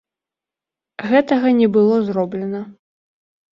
Гэтага не было зроблена.